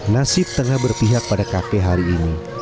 nasib tengah berpihak pada kafe hari ini